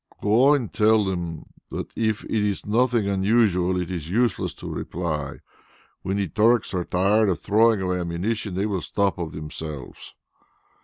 "Go and tell them, that if it is nothing unusual, it is useless to reply. When the Turks are tired of throwing away ammunition, they will stop of themselves."